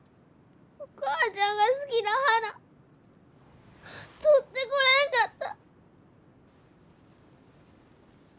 お母ちゃんが好きな花採ってこれんかった！